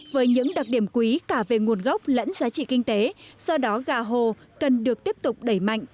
với những đặc điểm quý cả về nguồn gốc lẫn giá trị kinh tế do đó gà hồ cần được tiếp tục đẩy mạnh